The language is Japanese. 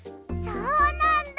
そうなんだ。